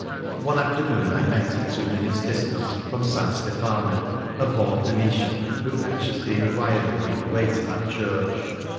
One afternoon I met at two minutes' distance 77 Things Seen in Venice from S. Stefano a born Venetian who anxiously inquired of me the way to that church.